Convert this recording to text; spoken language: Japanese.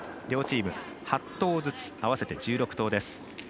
両チーム、８投ずつ合わせて１６投です。